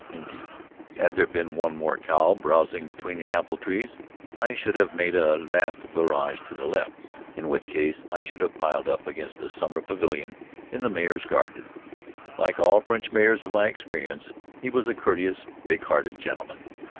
Indeed, had there been one more cow browsing between the apple trees, I should have made a last virage to the left, in which case I should have piled up against a summer pavilion in the mayor's garden. Like all French mayors of my experience, he was a courteous, big hearted gentleman.